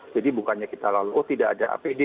jadi bukannya kita lalu oh tidak ada apd